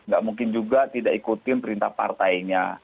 gak mungkin juga tidak ikutin perintah partainya